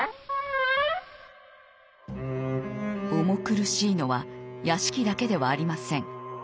重苦しいのは屋敷だけではありません。